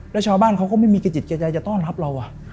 แล้วชาวบ้านเขาก็ไม่มีกระจิตกระใจจะต้อนรับเรา